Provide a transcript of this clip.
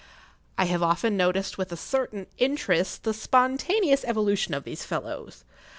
I have often noticed with a certain interest the spontaneous evolution of these fellows.